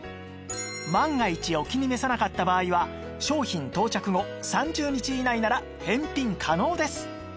万が一お気に召さなかった場合は商品到着後３０日以内なら返品可能です